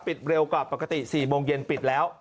เร็วกว่าปกติ๔โมงเย็นปิดแล้ว